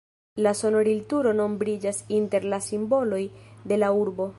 La sonorilturo nombriĝas inter la simboloj de la urbo.